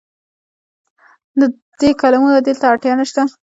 د دې کلمو بدیل ته اړتیا نشته.